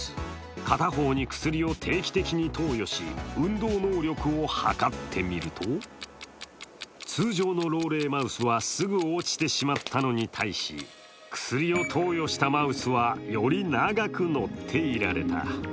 片方に薬を定期的に投与し運動能力をはかってみると通常の老齢マウスはすぐ落ちてしまったのに対し薬を投与したマウスは、より長く乗っていられた。